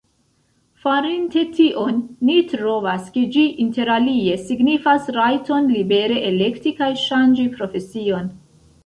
Farinte tion, ni trovas, ke ĝi interalie signifas rajton libere elekti kaj ŝanĝi profesion.